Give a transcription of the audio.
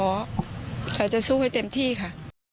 เราจะสู้ให้เต็มที่ค่ะ